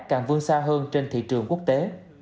càng vương xa hơn trên thị trường quốc tế